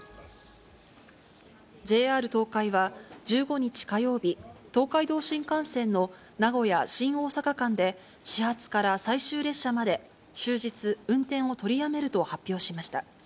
ＪＲ東海は１５日火曜日、東海道新幹線の名古屋・新大阪間で始発から最終列車まで、終日運転を取りやめると発表しました。